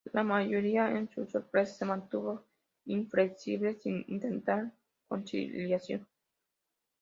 La mayoría, en su sorpresa, se mantuvo inflexible sin intentar conciliación.